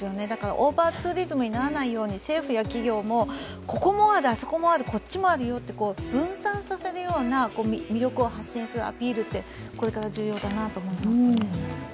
オーバーツーリズムにならないように、政府や企業もここもある、あそこもあるよと分散させるような魅力を発信するアピールってこれから重要だなと思いますね。